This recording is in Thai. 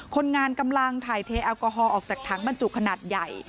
คนงานกำลังถ่ายเทแอลกอฮอลออกจากถังบรรจุขนาดใหญ่